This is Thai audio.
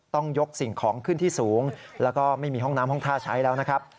ต้องยกสิ่งของขึ้นที่สูงแล้วก็ไม่มีห้องน้ำห้องท่าใช้แล้วนะครับ